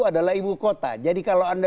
adalah ibu kota jadi kalau anda